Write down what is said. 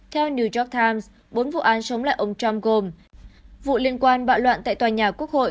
theo new york times bốn vụ án sống lại ông trump gồm vụ liên quan bạo loạn tại tòa nhà quốc hội